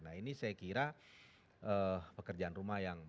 nah ini saya kira pekerjaan rumah yang